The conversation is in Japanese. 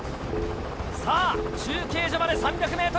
さぁ中継所まで３００ｍ。